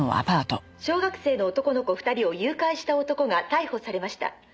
「小学生の男の子２人を誘拐した男が逮捕されました」